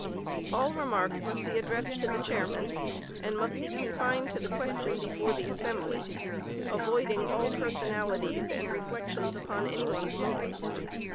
All remarks must be addressed to the chairman, and must be confined to the question before the assembly, avoiding all personalities and reflections upon any one's motives.